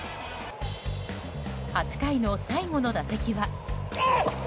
８回の最後の打席は。